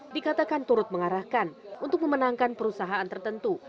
dikatakan turut mengarahkan untuk memenangkan perusahaan tertentu